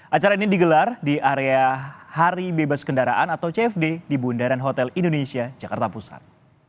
acara ini digelar di area hari bebas kendaraan atau cfd di bundaran hotel indonesia jakarta pusat